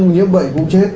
nhiếp bệnh cũng chết